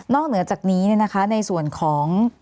เหนือจากนี้ในส่วนของ